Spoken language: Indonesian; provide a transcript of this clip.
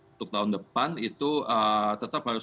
untuk tahun depan itu tetap harus